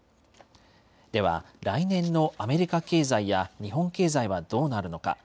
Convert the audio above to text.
では、来年のアメリカ経済や日本経済はどうなるのか。